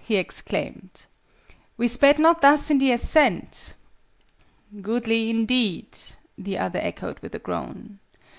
he exclaimed. "We sped not thus in the ascent!" "Goodly, indeed!" the other echoed with a groan.